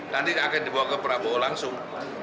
nanti akan dibawa ke prabowo langsung